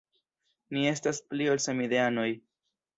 Ni estas pli ol samideanoj.